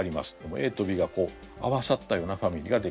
ＡとＢが合わさったようなファミリーが出来てる。